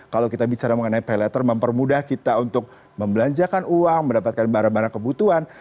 kalau kita bicara mengenai pay letter mempermudah kita untuk membelanjakan uang mendapatkan barang barang kebutuhan